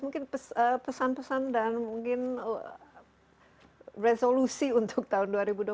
mungkin pesan pesan dan mungkin resolusi untuk tahun dua ribu dua puluh empat